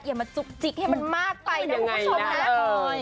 อย่ามจุ๊กจิ๊กให้มันมากใจนะคุณผู้ชม